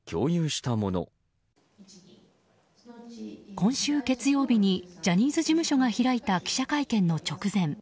今週月曜日にジャニーズ事務所が開いた記者会見の直前。